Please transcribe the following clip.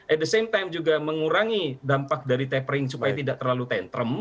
at the same time juga mengurangi dampak dari tapering supaya tidak terlalu tantrum